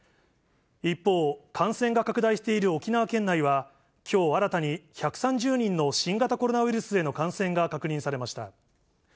一方、感染が拡大している沖縄県内は、きょう新たに１３０人の新型コロナウイルスへの感染が確認されました。